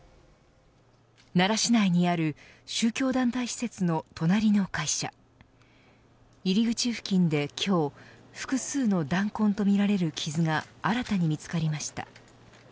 奈良市内にある宗教団体施設の隣の会社入り口付近で今日複数の弾痕とみられる傷が新たに見つかりました。